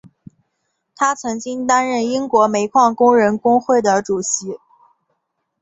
他曾经担任英国煤矿工人工会的主席。